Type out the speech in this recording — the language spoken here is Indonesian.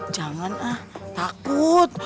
jangan ah takut